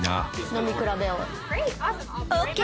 飲み比べを。ＯＫ。